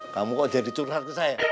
kamu kok jadi tunar ke saya